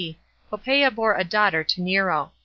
D.) Poppsea bore a daughter to Nero.